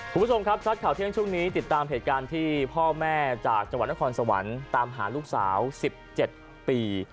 คุณผู้ชมครับชัดข่าวเที่ยงช่วงนี้ติดตามเหตุการณ์ที่พ่อแม่จากจังหวัดนครสวรรค์ตามหาลูกสาว๑๗ปี